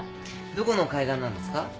どこの海岸なんですか？